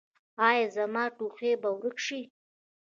ایا زما ټوخی به ورک شي؟